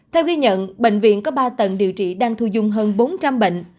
theo ghi nhận bệnh viện có ba tầng điều trị đang thu dung hơn bốn trăm linh bệnh